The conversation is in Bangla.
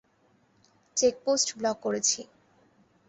চেকপোস্ট ব্লক করেছি।